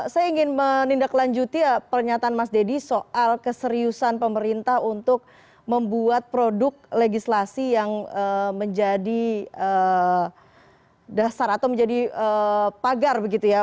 saya ingin menindaklanjuti pernyataan mas deddy soal keseriusan pemerintah untuk membuat produk legislasi yang menjadi dasar atau menjadi pagar begitu ya